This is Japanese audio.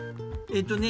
えっとね。